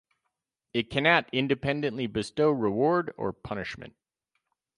It cannot independently bestow reward or punishment.